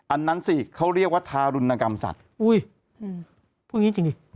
อันนั้นสิเขาเรียกว่าทารุณกรรมสัตว์อุ้ยพูดอย่างงี้จริงดิ